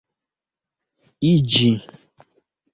iĝi